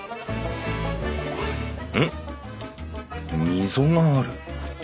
溝がある。